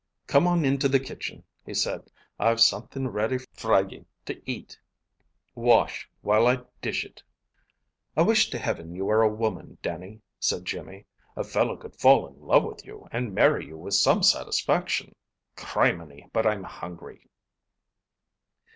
"Come on to the kitchen," he said, "I've something ready fra ye to eat. Wash, while I dish it." "I wish to Heaven you were a woman, Dannie," said Jimmy. "A fellow could fall in love with you, and marry you with some satisfaction. Crimminy, but I'm hungry!"